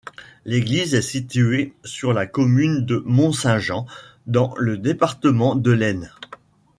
L'église est située sur la commune de Mont-Saint-Jean, dans le département de l'Aisne.